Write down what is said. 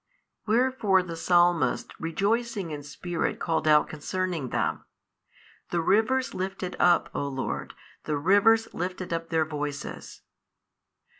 Wherefore the Psalmist rejoicing in spirit called out concerning them, The rivers lifted up, o Lord, the rivers lifted up their voices.